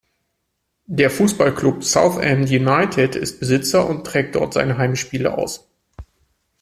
Der Fußballclub Southend United ist Besitzer und trägt dort seine Heimspiele aus.